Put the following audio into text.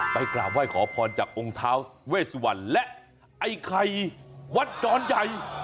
กราบไหว้ขอพรจากองค์ท้าเวสวันและไอ้ไข่วัดดอนใหญ่